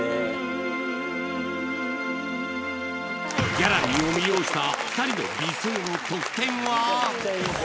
ギャラリーを魅了した２人の美声の得点は！？